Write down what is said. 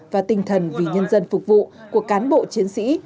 và tinh thần vì nhân dân phục vụ của cán bộ chiến sĩ